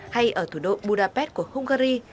hay ở thủ đô budapest của hungary